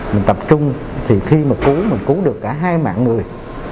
mình tập trung thì khi mà cuối mình cứu được cả hai mạng người